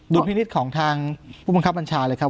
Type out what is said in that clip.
พินิษฐ์ของทางผู้บังคับบัญชาเลยครับ